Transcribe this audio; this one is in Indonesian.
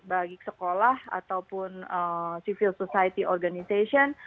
bagi sekolah ataupun civil society organization